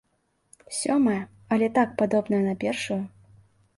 Сёмая, але так падобная на першую.